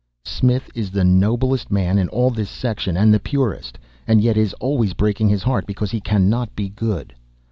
"Smith is the noblest man in all this section, and the purest; and yet is always breaking his heart because he cannot be good!